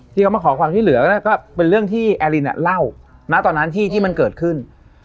ที่เขามาขอความช่วยเหลือก็เป็นเรื่องที่แอลินเล่าณตอนนั้นที่มันเกิดขึ้น